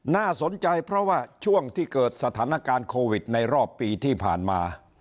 น่าสนใจเพราะว่าช่วงที่เกิดสถานการณ์โควิดในรอบปีที่ผ่านมา